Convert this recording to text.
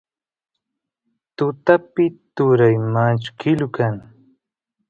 tutapi turay manchkilu kan